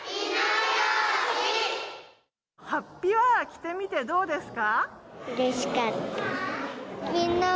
はっぴは着てみてどうですか。